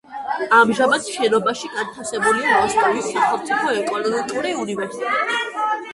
ამჟამად შენობაში განთავსებულია როსტოვის სახელმწიფო ეკონომიკური უნივერსიტეტი.